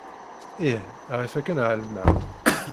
Ih, ɣef akken ɛelmeɣ.